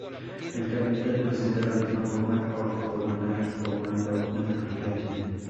El capitel presenta la misma forma ortogonal formando una cruz latina.